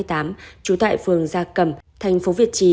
trú tại phường gia cầm tp việt trì